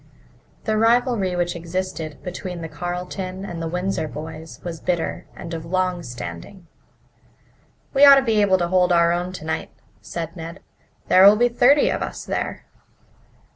The rivalry which existed between the Carleton and the Windsor boys was bitter and of long standing. "We ought to be able to hold our own tonight," said Ned. "There'll be thirty of us there."